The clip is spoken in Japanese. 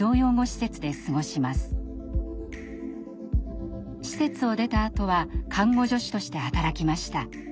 施設を出たあとは看護助手として働きました。